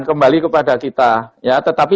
kembali kepada kita ya tetapi